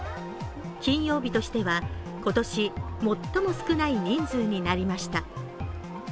金曜日としては今年最も少ない人数になりました。